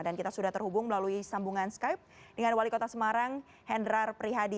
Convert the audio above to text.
dan kita sudah terhubung melalui sambungan skype dengan wali kota semarang hendrar prihadi